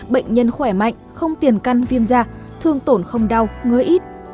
bệnh nhân khỏe mạnh không tiền căn viêm da thương tổn không đau ngớ ít